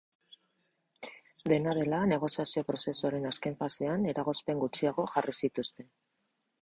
Dena dela, negoziazio-prozesuaren azken fasean, eragozpen gutxiago jarri zituzten.